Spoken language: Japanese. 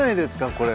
これ。